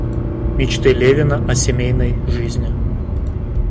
Мечты Левина о семейной жизни.